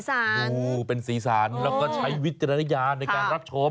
เป็นสีสานเป็นสีสานแล้วก็ใช้วิจารณญาณในการรับชม